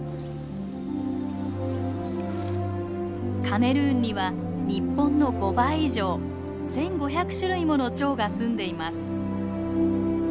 カメルーンには日本の５倍以上１，５００種類ものチョウがすんでいます。